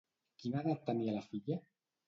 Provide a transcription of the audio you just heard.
Quina edat tenia la filla?